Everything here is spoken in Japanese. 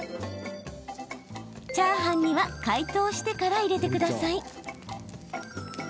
チャーハンには解凍してから入れてください。